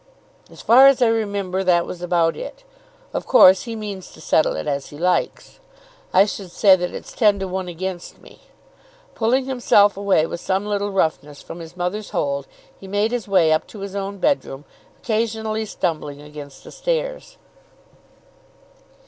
"As far as I remember, that was about it. Of course, he means to settle it as he likes. I should say that it's ten to one against me." Pulling himself away with some little roughness from his mother's hold, he made his way up to his own bedroom, occasionally stumbling against the stairs.